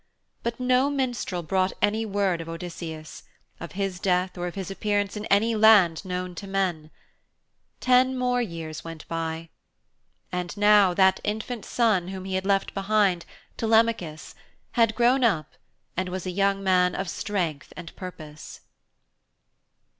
But no minstrel brought any word of Odysseus, of his death or of his appearance in any land known to men. Ten years more went by. And now that infant son whom he had left behind, Telemachus, had grown up and was a young man of strength and purpose.